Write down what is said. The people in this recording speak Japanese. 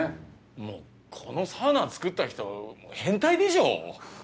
もうこのサウナつくった人変態でしょ！